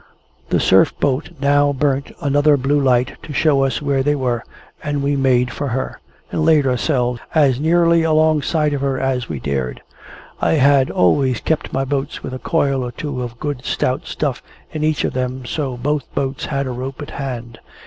The Surf boat now burnt another blue light to show us where they were, and we made for her, and laid ourselves as nearly alongside of her as we dared. I had always kept my boats with a coil or two of good stout stuff in each of them, so both boats had a rope at hand.